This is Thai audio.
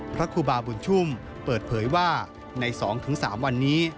พระครูบาบุญชุ่มเปิดเผยว่าใน๒๓วันนี้